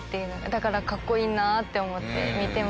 だからかっこいいなって思って見てました。